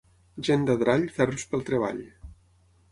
Gent d'Adrall, ferms pel treball.